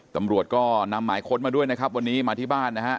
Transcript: ตำรวจก็นำหมายค้นมาด้วยนะครับวันนี้มาที่บ้านนะฮะ